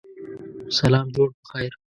سلام جوړ پخیر